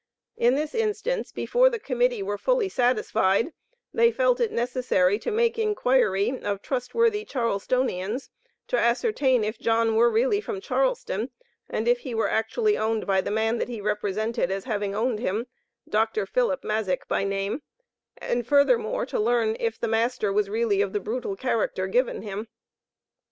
In this instance, before the Committee were fully satisfied, they felt it necessary to make inquiry of trustworthy Charlestonians to ascertain if John were really from Charleston, and if he were actually owned by the man that he represented as having owned him, Dr. Philip Mazyck, by name; and furthermore, to learn if the master was really of the brutal character given him.